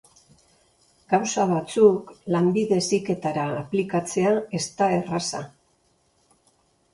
Gauza batzuk Lanbide Heziketara aplikatzea ez da erraza.